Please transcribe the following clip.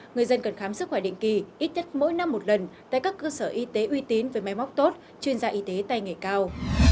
người dân cần khám sức khỏe định kỳ ít nhất mỗi năm một lần tại các cơ sở y tế uy tín về máy móc tốt chuyên gia y tế tay nghề cao